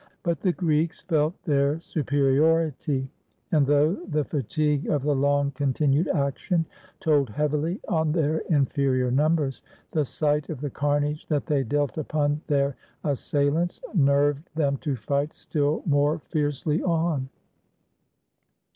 But the Greeks felt their superiority, and though the fatigue of the long continued action told heavily on their inferior numbers, the sight of the carnage that they dealt upon their as sailants nerved them to fight still more fiercely on.